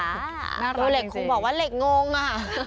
น่ารักจริงโรเล็กซ์คงบอกว่าเหล็กงงอ่ะ